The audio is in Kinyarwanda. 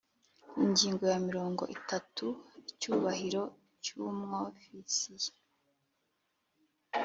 Ingingo ya mirongo itatu Icyubahiro cy umwofisiye